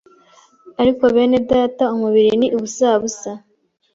ariko bene data umubiri ni ubusa busa,